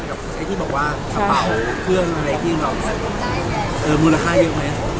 กับไอ้ที่บอกว่าเพื่อนอะไรที่เราเออมูลค่าเยอะไหม